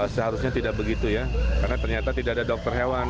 seharusnya tidak begitu ya karena ternyata tidak ada dokter hewan